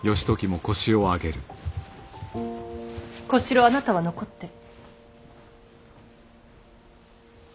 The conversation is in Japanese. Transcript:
小四郎あなたは残って。